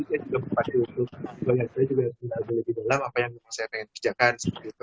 jadi saya juga berpaksa untuk melihatnya juga melihatnya di dalam apa yang saya ingin kerjakan